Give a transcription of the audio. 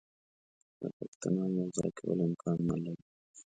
د پښتونو یو ځای کول امکان نه لري.